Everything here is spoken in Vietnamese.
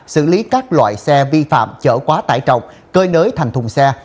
xử lý các loại xe vi phạm chở quá tải trọng cơi nới thành thùng xe